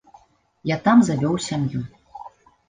Я там завёў сям'ю.